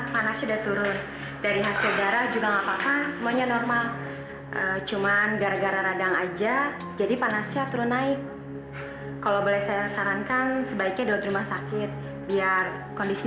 pak aku akan menjaga dara dengan baik